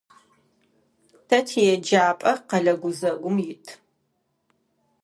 Тэ тиеджапӀэ къэлэ гузэгум ит.